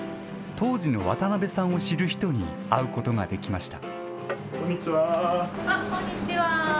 当時の渡辺さんを知る人に会うことができました。